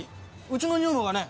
うちの女房がね